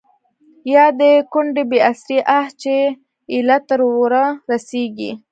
يا َد کونډې بې اسرې آه چې ا يله تر ورۀ رسيږي